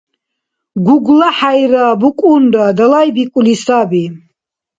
ГуглахӀяйра букӀунра далайбикӀули саби.